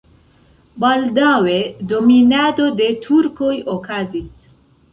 Baldaŭe dominado de turkoj okazis.